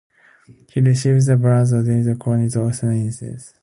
He received the Bolzano Medal of the Czech Academy of Sciences.